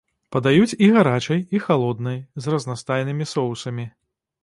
Падаюць і гарачай і халоднай, з разнастайнымі соусамі.